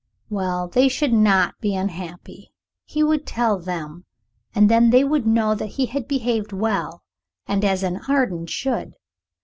Well, they should not be unhappy. He would tell them. And then they would know that he had behaved well, and as an Arden should.